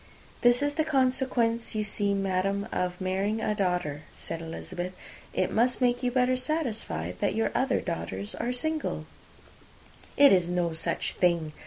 "This is the consequence, you see, madam, of marrying a daughter," said Elizabeth. "It must make you better satisfied that your other four are single." "It is no such thing.